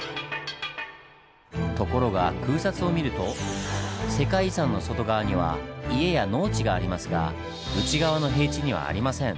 ところが空撮を見ると世界遺産の外側には家や農地がありますが内側の平地にはありません。